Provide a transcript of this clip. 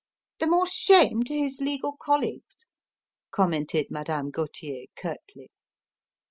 "The more shame to his legal colleagues!" commented Madame Gauthier curtly.